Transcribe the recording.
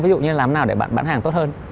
ví dụ như làm nào để bạn bán hàng tốt hơn